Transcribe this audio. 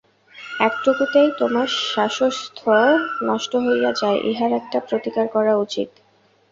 একটুকুতেই তোমার স্বাসথ্য নষ্ট হইয়া যায়, ইহার একটা প্রতিকার করা উচিত।